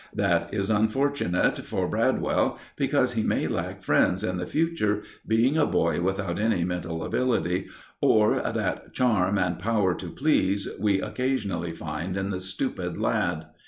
That is unfortunate for Bradwell, because he may lack friends in the future, being a boy without any mental ability, or that charm and power to please we occasionally find in the stupid lad.